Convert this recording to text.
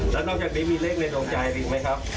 แล้วนอกจากนี้มีเลขในดวงใจอีกไหมครับ